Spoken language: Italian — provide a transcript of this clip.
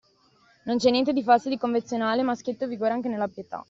Non c'è niente di falso e di convenzionale, ma schietto vigore anche nella pietà.